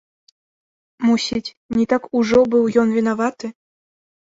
Мусіць, не так ужо быў ён вінаваты.